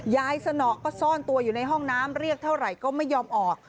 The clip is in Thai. สนอก็ซ่อนตัวอยู่ในห้องน้ำเรียกเท่าไหร่ก็ไม่ยอมออก